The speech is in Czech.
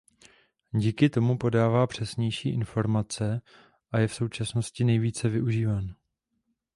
Díky tomu podává přesnější informace a je v současnosti nejvíce využíván.